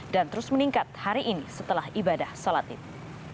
dan terus meningkat hari ini setelah ibadah sholat itu